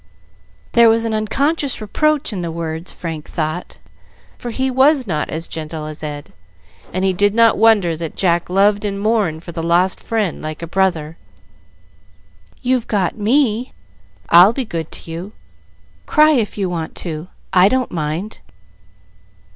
There was an unconscious reproach in the words, Frank thought; for he was not as gentle as Ed, and he did not wonder that Jack loved and mourned for the lost friend like a brother. "You've got me. I'll be good to you; cry if you want to, I don't mind."